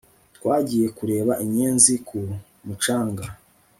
Twagiye kureba inyenzi ku mucanga